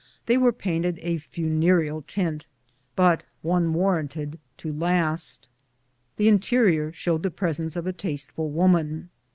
They were painted a funereal tint, but one warranted to last. The interior showed the presence of a tasteful woman.